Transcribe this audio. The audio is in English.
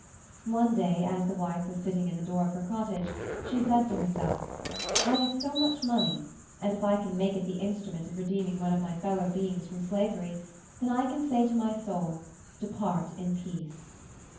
One day as the wife was sitting in the door of her cottage she said to herself "I have so much money and if I can make it the instrument of redeeming one of my fellow beings from slavery, then I can say to my soul 'depart in peace.'